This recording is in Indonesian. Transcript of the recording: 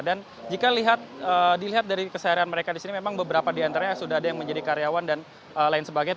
dan jika dilihat dari keseharian mereka di sini memang beberapa di antaranya sudah ada yang menjadi karyawan dan lain sebagainya